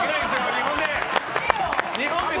日本で！